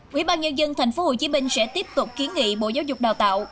quỹ ban nhân dân tp hcm sẽ tiếp tục kiến nghị bộ giáo dục đào tạo